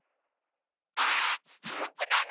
あスタンプなのだ。